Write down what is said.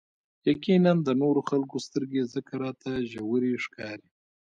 يقيناً د نورو خلکو سترګې ځکه راته ژورې ښکاري.